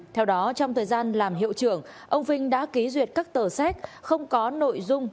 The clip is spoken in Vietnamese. theo đó trong thời gian làm hiệu trưởng ông vinh đã ký duyệt các tờ xét không có nội dung